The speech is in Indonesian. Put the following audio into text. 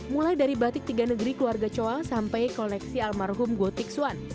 mulai dari batik tiga negeri keluarga coa sampai koleksi almarhum gotik suan